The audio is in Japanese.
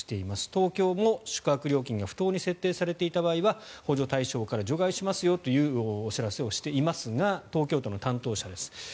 東京も宿泊料金が不当に設定されていた場合は補助対象から除外しますというお知らせをしていますが東京都の担当者です。